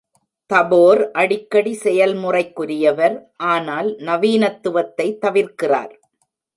தபோர் அடிக்கடி செயல்முறைக்குரியவர், ஆனால் நவீனத்துவத்தை தவிர்க்கிறார்.